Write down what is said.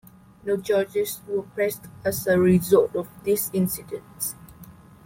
No charges were pressed as a result of this incident.